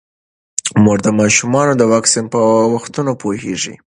مور د ماشومانو د واکسین په وختونو پوهیږي.